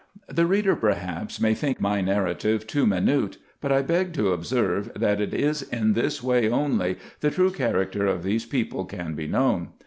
The reader, perhaps, may think my narrative too minute ; but I beg to observe, that it is in this way only the true character of these people can be known.